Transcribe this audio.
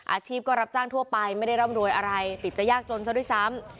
อาชีพก็รับจ้างทั่วไปไม่ได้ร่ำรวยอะไรติดจะยากจนซะด้วยซ้ำ